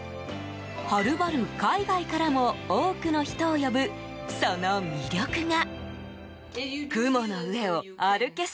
はるばる海外からも多くの人を呼ぶ、その魅力が。